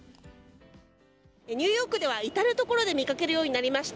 ニューヨークでは至るところで見かけるようになりました